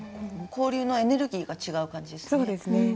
交流のエネルギーが違う感じですね。